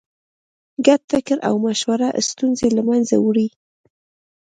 ګډ فکر او مشوره ستونزې له منځه وړي.